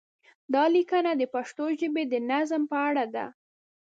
دا لیکنه د پښتو ژبې د نظم په اړه ده.